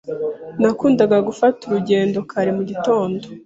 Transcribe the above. Nakundaga gufata urugendo kare mu gitondo.